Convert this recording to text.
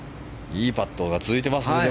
いいパットが続いていますね。